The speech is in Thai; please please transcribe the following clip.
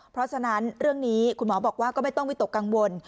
เพราะฉะนั้นเรื่องนี้คุณหมอบอกว่าก็ไม่ต้องวิตกกังวล